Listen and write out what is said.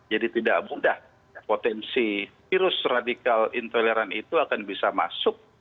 jadi tidak mudah potensi virus radikal intoleran itu akan bisa masuk